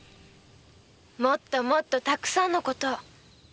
もっともっとたくさんのことを。